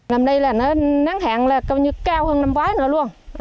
nằm đây là nó nắng hạn là coi như cao hơn năm vái nữa luôn